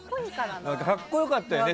格好よかったよね